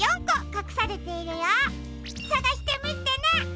さがしてみてね！